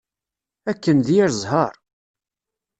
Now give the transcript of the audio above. Akken d yir zzheṛ!